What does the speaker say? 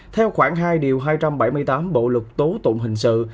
theo khoảng hai điều hai trăm bảy mươi tám bộ lực tố tụng hình sự